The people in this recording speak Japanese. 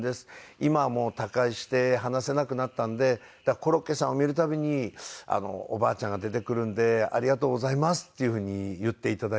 「今はもう他界して話せなくなったんでだからコロッケさんを見る度におばあちゃんが出てくるんでありがとうございます」っていうふうに言って頂いて。